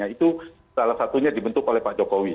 itu salah satunya dibentuk oleh pak jokowi